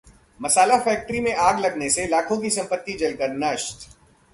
मसाला factory में आग लगने से लाखों की संपति जलकर नष्ट